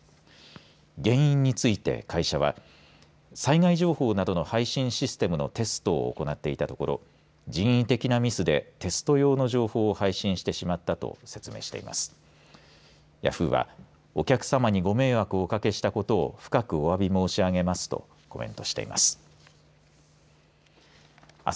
原因について、会社は災害情報などの配信システムのテストを行っていたところ人為的なミスでテスト用の情報を配信してしまったと説明しています。